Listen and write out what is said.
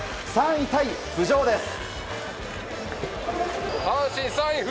３位タイ浮上です。